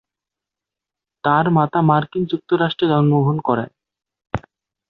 তার মাতা মার্কিন যুক্তরাষ্ট্রে জন্মগ্রহণ করেন।